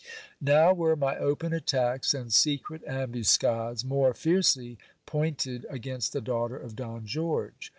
Now were my open attacks and secret ambuscades more fiercely pointed against the daughter of Don George.